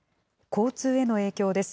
交通への影響です。